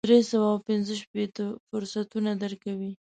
درې سوه او پنځه شپېته فرصتونه درکوي.